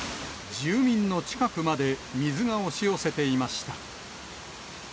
住民の近くまで水が押し寄せていました。